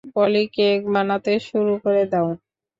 পলি, cake বানানো শুরু করে দাও।